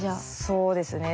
そうですね。